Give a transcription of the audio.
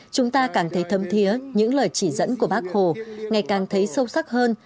chúng ta càng thấy thâm thiế những lời chỉ dẫn của bác hồ ngày càng thấy sâu sắc hơn